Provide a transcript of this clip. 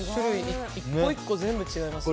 １個１個全部違いますね。